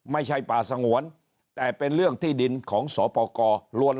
ไม่ใช่ป่าสงวนแต่เป็นเรื่องที่ดินของสปกรวน